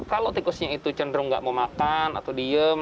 kalau tikusnya itu cenderung nggak mau makan atau diem